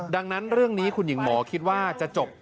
ดังนั้นเรื่องนี้คุณหญิงหมอคิดว่าจะจบ